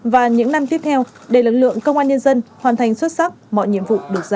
và những năm tiếp theo để lực lượng công an nhân dân hoàn thành xuất sắc mọi nhiệm vụ được giao